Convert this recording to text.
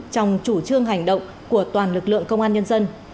trong chủ trương hành động của toàn lực lượng công an nhân dân